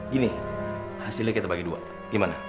gini hasilnya kita bagi dua gimana